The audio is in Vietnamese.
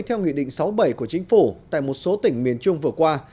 theo nghị định sáu bảy của chính phủ tại một số tỉnh miền trung vừa qua